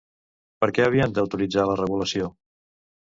Per què havien d'autoritzar la regulació?